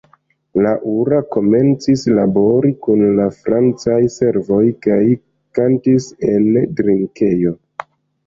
Laura komencis labori kun la francaj servoj kaj kantis en drinkejo.